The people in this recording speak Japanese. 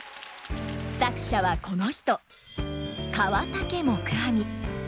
作者はこの人河竹黙阿弥。